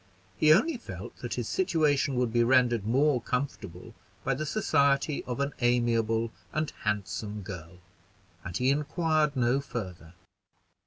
He only felt that his situation would be rendered more comfortable by the society of an amiable and handsome girl, and he inquired no further.